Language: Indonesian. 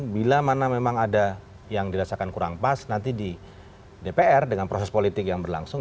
bila mana memang ada yang dirasakan kurang pas nanti di dpr dengan proses politik yang berlangsung